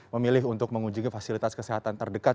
memilih untuk mengunjungi fasilitas kesehatan terdekat